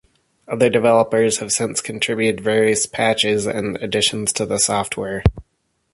Other developers have since contributed various patches and additions to the software.